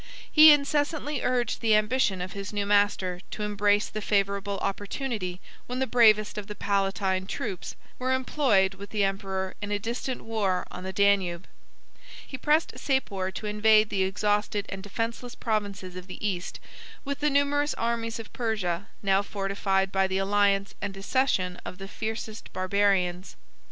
He incessantly urged the ambition of his new master to embrace the favorable opportunity when the bravest of the Palatine troops were employed with the emperor in a distant war on the Danube. He pressed Sapor to invade the exhausted and defenceless provinces of the East, with the numerous armies of Persia, now fortified by the alliance and accession of the fiercest Barbarians.